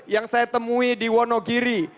yang saya temui di wonogiri